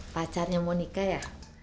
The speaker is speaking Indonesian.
pacarnya mau nikah ya